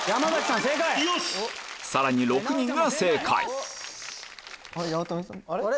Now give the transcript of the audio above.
さらに６人が正解あれ？